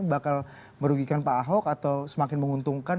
bakal merugikan pak ahok atau semakin menguntungkan